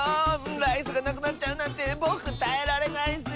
ライスがなくなっちゃうなんてぼくたえられないッスよ！